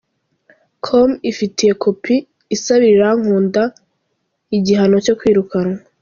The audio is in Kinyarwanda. com ifitiye kopi, isabira Irankunda igihano cyo kwirukanwa.